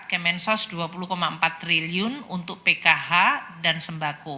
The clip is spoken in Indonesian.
kemensos rp dua puluh empat triliun untuk pkh dan sembako